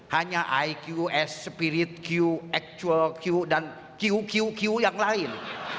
hanya iq s spirit q actual q dan qqq yang lain